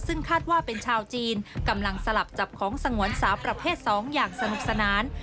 ซึ่งคาดว่าเป็นชาวจีนกำลังสลับจับของสงวนสาวประเภท๒อย่างสนุกสนาน